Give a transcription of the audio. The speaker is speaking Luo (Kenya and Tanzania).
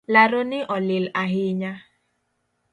Laroni olil ahinya